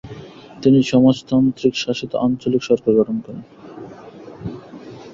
তিনি সমাজতান্ত্রিকশাসিত আঞ্চলিক সরকার গঠন করেন।